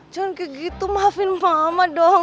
jangan ke gitu maafin mama dong